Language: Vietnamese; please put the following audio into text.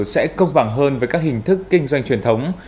sẽ công bằng hơn với các hình thức kinh doanh truyền thống